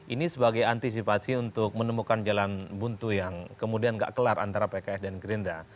ini sebagai antisipasi untuk menemukan jalan buntu yang kemudian gak kelar antara pks dan gerindra